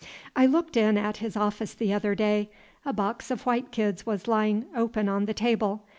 I looked in at his office the other day. A box of white kids was lying open on the table.